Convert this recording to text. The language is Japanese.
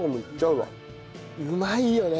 うまいよね。